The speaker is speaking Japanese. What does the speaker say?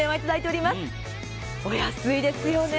お安いですよね。